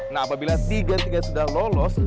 nah apabila tiga tiga sudah lolos